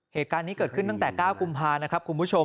เหตุการณ์นี้เกิดขึ้นตั้งแต่๙กุมภานะครับคุณผู้ชม